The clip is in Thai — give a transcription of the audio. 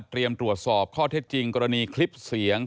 ตรวจสอบข้อเท็จจริงกรณีคลิปเสียง